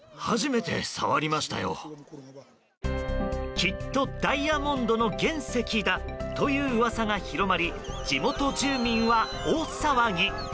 きっとダイヤモンドの原石だという噂が広まり地元住民は大騒ぎ。